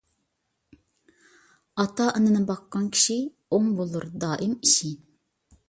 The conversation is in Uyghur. ئاتا - ئانىنى باققان كىشى، ئوڭ بولۇر دائىم ئىشى.